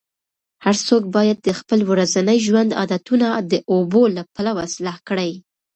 هر څوک باید د خپل ورځني ژوند عادتونه د اوبو له پلوه اصلاح کړي.